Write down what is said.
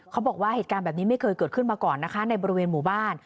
เขาบอกว่าเหตุการณ์แบบนี้ไม่เคยเกิดขึ้นมาก่อนนะคะในบริเวณหมู่บ้าน